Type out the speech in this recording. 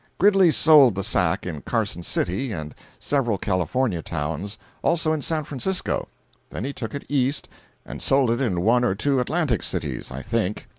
Gridley sold the sack in Carson city and several California towns; also in San Francisco. Then he took it east and sold it in one or two Atlantic cities, I think.